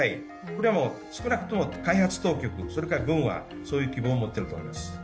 これは少なくとも開発当局、それから軍はそういう希望を持ってると思います。